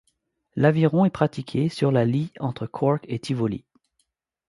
L’aviron est pratiqué sur la Lee entre Cork et Tivoli.